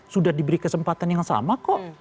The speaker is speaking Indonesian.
sudah diberi kesempatan yang sama kok